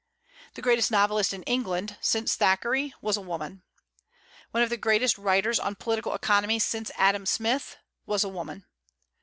The greatest novelist in England, since Thackeray, was a woman. One of the greatest writers on political economy, since Adam Smith, was a woman.